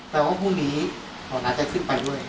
ว่าพรุ่งนี้หมอน้าจะขึ้นไปด้วย